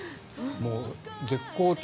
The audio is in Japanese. もう、絶好調。